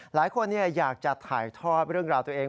หลายคนอยากจะถ่ายทอดเรื่องราวตัวเอง